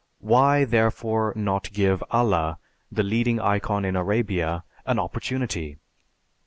Why, therefore, not give Allah, the leading icon in Arabia, an opportunity?